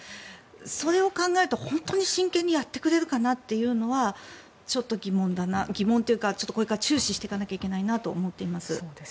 それを考えると、本当に真剣にやってくれるかなというのはちょっと疑問というかこれから注視していかないといけないと思います。